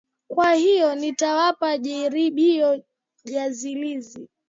Kwa hiyo, nitawapa jaribio jazilizi.